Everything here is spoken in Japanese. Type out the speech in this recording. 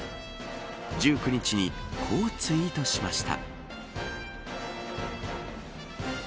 １９日にこうツイートしました。